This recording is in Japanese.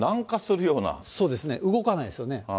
そうですね、動かないですよね。